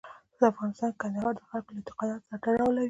په افغانستان کې کندهار د خلکو له اعتقاداتو سره تړاو لري.